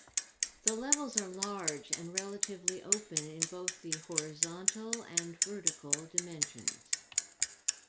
The levels are large and relatively open in both the horizontal and vertical dimensions.